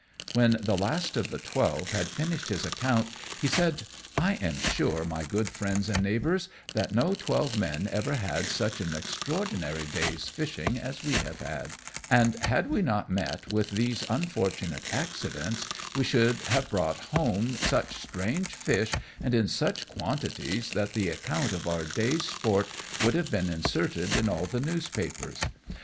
When the last of the twelve had finished his account, he said, "I am sure, my good Friends and Neighbours, that no twelve men ever had such an extraordinary day's fishing as we have had; and, had we not met with these unfortunate accidents, we should have brought home such strange fish, and in such quantities, that the account of our day's sport would have been inserted in all the newspapers.